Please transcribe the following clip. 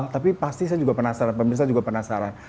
tapi pasti saya juga penasaran pemirsa juga penasaran